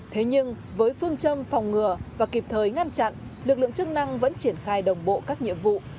thế nhưng với phương châm phòng ngừa và kịp thời ngăn chặn lực lượng chức năng vẫn triển khai đồng bộ các nhiệm vụ